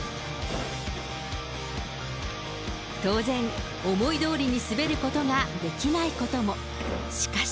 当然、思いどおりに滑ることができないことも。